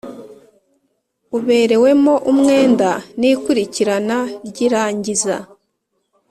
uberewemo umwenda n ikurikirana ry irangizwa